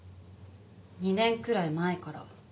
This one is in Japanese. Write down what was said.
２年くらい前から。